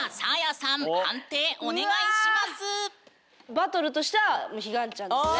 バトルとしては彼岸ちゃんですね。